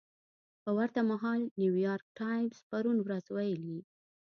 په ورته مهال نیویارک ټایمز پرون ورځ ویلي